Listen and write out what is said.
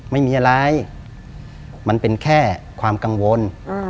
ไม่มีอะไรมันเป็นแค่ความกังวล